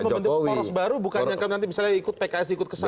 kalau membentuk polos baru bukan jangka nanti misalnya ikut pks ikut ke sana